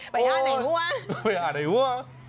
ไปอ้าวไหนวะ